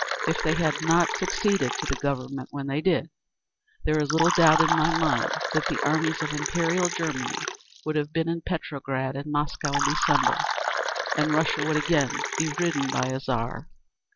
If they had not succeeded to the Government when they did, there is little doubt in my mind that the armies of Imperial Germany would have been in Petrograd and Moscow in December, and Russia would again be ridden by a Tsar….